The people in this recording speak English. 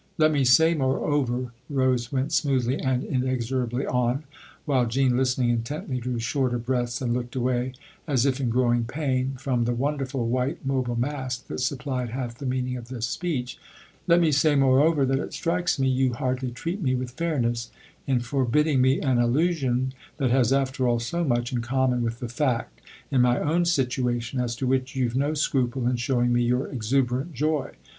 Let me 226 THE OTHER HOUSE say, moreover," Rose went smoothly and inexorably on, while Jean, listening intently, drew shorter breaths and looked away, as if in growing pain, from the wonderful white, mobile mask that supplied half the meaning of this speech " let me say, morever, that it strikes me you hardly treat me with fairness in forbidding me an allusion that has after all so much in common with the fact, in my own situation, as to which you've no scruple in showing me your exuberant joy.